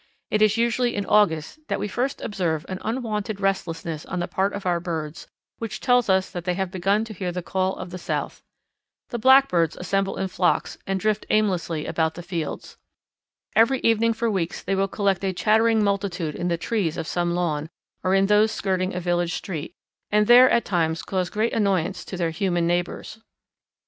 It is usually in August that we first observe an unwonted restlessness on the part of our birds which tells us that they have begun to hear the call of the South. The Blackbirds assemble in flocks and drift aimlessly about the fields. Every evening for weeks they will collect a chattering multitude in the trees of some lawn, or in those skirting a village street, and there at times cause great annoyance to their human neighbours.